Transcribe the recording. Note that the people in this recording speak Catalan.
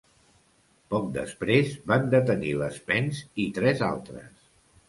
Poc després, van detenir l'Spence i tres altres.